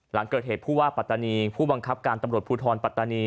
หลังเกิดเหตุผู้ว่าปัตตานีผู้บังคับการตำรวจภูทรปัตตานี